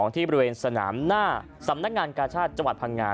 ที่บริเวณสนามหน้าสำนักงานกาชาติจังหวัดพังงา